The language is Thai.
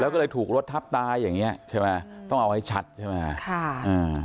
แล้วก็เลยถูกรถทับตายอย่างเงี้ยใช่ไหมต้องเอาให้ชัดใช่ไหมฮะค่ะอ่า